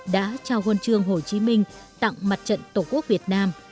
đã trao huân chương hồ chí minh tặng mặt trận tổ quốc việt nam